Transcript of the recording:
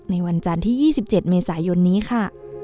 วันจันทร์ที่๒๗เมษายนนี้ค่ะ